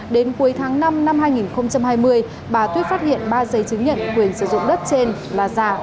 đến cuối tháng năm năm hai nghìn hai mươi bà tuyết phát hiện ba giấy chứng nhận quyền sử dụng đất trên là giả